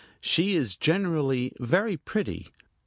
She is generally very pretty.